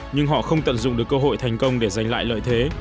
nhưng họ không tận dụng được cơ hội thành công để giành lại lợi thế